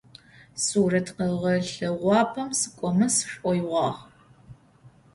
Сурэт къэгъэлъэгъуапӏэм сыкӏомэ сшӏоигъуагъ.